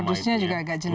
modusnya juga agak jelas